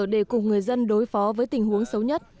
để cùng người dân đối phó với tình huống xấu nhất